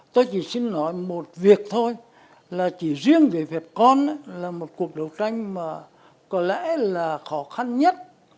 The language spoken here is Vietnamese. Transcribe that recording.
tôi chỉ xin nói một việc thôi là chỉ riêng về việt con là một cuộc đấu tranh mà có lẽ là khó khăn nhất